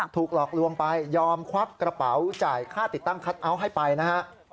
ถูกหลอกลวงไปยอมควักกระเป๋าจ่ายค่าติดตั้งคัทเอาท์ให้ไปนะฮะ